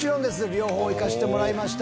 両方行かせてもらいました。